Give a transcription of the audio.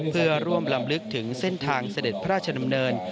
เพื่อร่วมลำลึกถึงเส้นทางเสด็จพระราชดำเนิน